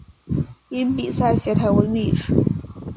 因比萨斜塔闻名于世。